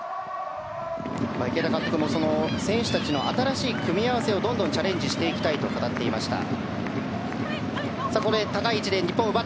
池田監督も選手たちの新しい組み合わせをどんどんチャレンジしていきたいと語っていました。